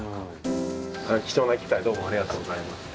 貴重な機会どうもありがとうございました。